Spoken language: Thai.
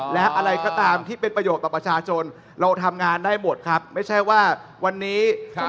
และเราทำงานไม่ใช่ว่าวันนี้